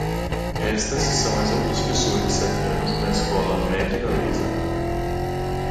Estas são as outras pessoas de sete anos na escola média-galesa.